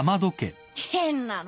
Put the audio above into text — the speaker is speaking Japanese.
変なの。